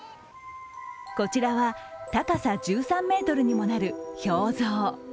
こちらは、高さ１３ｍにもなる氷像。